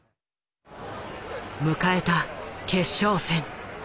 迎えた決勝戦。